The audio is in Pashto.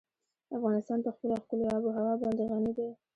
افغانستان په خپله ښکلې آب وهوا باندې غني دی.